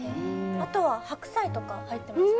あとは白菜とか入ってました。